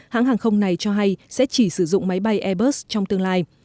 hãng hàng không này cho hay sẽ chỉ sử dụng máy bay airbus trong tương lai